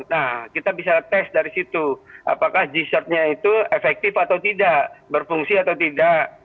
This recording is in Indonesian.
nah kita bisa tes dari situ apakah g certnya itu efektif atau tidak berfungsi atau tidak